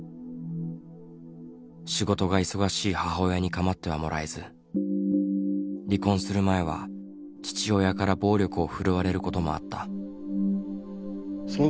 仕事が忙しい母親に構ってはもらえず離婚する前は父親から暴力を振るわれることもあった。